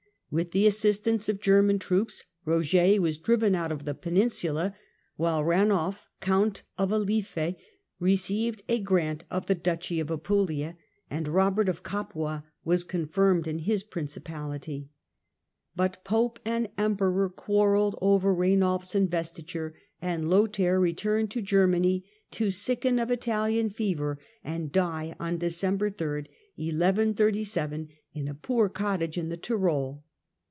With the assistance of German troops Eoger was driven out of the peninsula, while Eainulf Count of Alife received a grant of the duchy of Apulia, and Kobert of Capua was confirmed in his principality. But Pope and Emperor quarrelled over Eainulfs investiture, and Lothair returned to Germany, to sicken of Italian fever and die on December 3, 1137, in a poor cottage in the Tyrol.